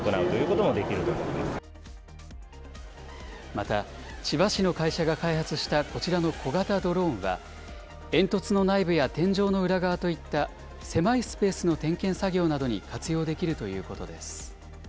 また、千葉市の会社が開発したこちらの小型ドローンは、煙突の内部や天井の裏側といった狭いスペースの点検作業などに活用できるということです。